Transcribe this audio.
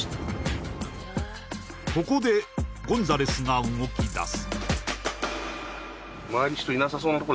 ここでゴンザレスが動きだす